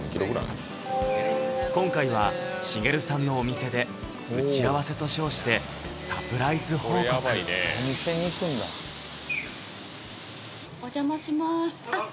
今回は茂さんのお店で打ち合わせと称してサプライズ報告お店に行くんだあっ